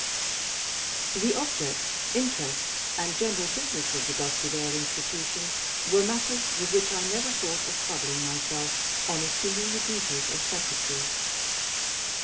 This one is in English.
The objects, interests, and general business of the Duskydale Institution were matters with which I never thought of troubling myself on assuming the duties of Secretary.